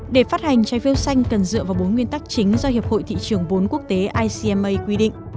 để phát hành trái phiếu xanh cần dựa vào bốn nguyên tắc chính do hiệp hội thị trường vốn quốc tế icama quy định